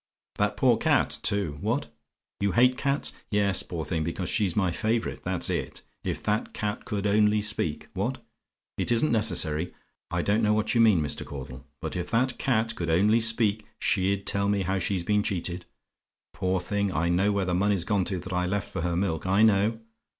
That poor cat, too What? "YOU HATE CATS? "Yes, poor thing! because she's my favourite that's it. If that cat could only speak What? "IT ISN'T NECESSARY? "I don't know what you mean, Mr. Caudle: but if that cat could only speak, she'd tell me how she's been cheated. Poor thing! I know where the money's gone to that I left for her milk I know.